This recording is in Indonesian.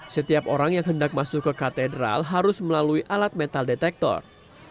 setiap orang yang hendak masuk ke katedral harus melalui alat metal detektor